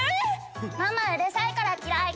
「ママはうるさいから嫌い！